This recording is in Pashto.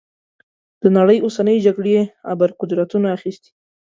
د نړۍ اوسنۍ جګړې ابرقدرتونو اخیستي.